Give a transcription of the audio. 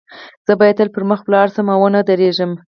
زه باید تل پر مخ ولاړ شم او و نه درېږم